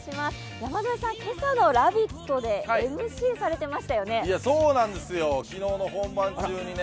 山添さん、今朝の「ラヴィット！」でＭＣされていましたよね。